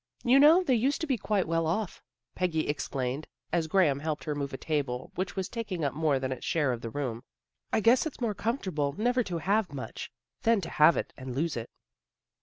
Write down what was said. " You know they used to be quite well off," Peggy explained, as Graham helped her move a table which was taking up more than its share of the room. " I guess it's more comfortable never to have much, than to have it and lose it."